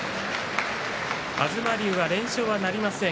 東龍は連勝なりません。